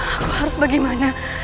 aku harus bagaimana